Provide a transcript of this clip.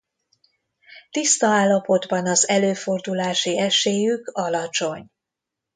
Tiszta állapotban az előfordulási esélyük alacsony.